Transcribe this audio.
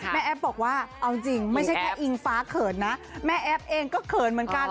แอฟบอกว่าเอาจริงไม่ใช่แค่อิงฟ้าเขินนะแม่แอฟเองก็เขินเหมือนกัน